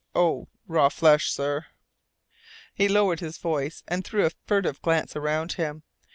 Oh, raw flesh, sir!" He lowered his voice, and threw a furtive glance around him.